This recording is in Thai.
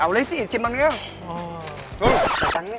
เอาเลยสิชิมบางเรื่อง